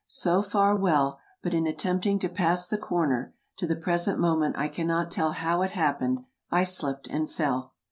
So far well, but in attempting to pass the corner (to the present moment I cannot tell how it happened) I slipped and fell.